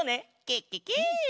ケケケ！